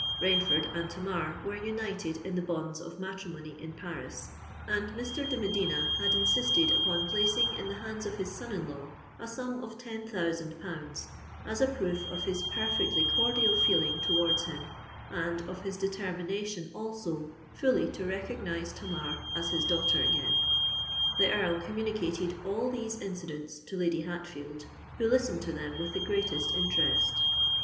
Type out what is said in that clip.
Rainford and Tamar were united in the bonds of matrimony in Paris; and Mr. de Medina had insisted upon placing in the hands of his son in law a sum of ten thousand pounds, as a proof of his perfectly cordial feeling towards him, and of his determination, also, fully to recognise Tamar as his daughter again. The Earl communicated all these incidents to Lady Hatfield, who listened to them with the greatest interest.